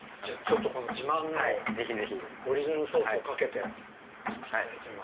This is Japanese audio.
自慢のオリジナルソースをかけていただいてみます。